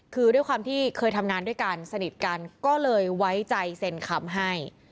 คือด้วยความที่เคยทำงานด้วยกันสนิทกันก็เลยไว้ใจเซ็นคำให้